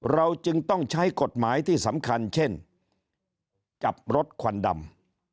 เราจึงต้องใช้กฎหมายที่สำคัญเช่นจับรถควันดำ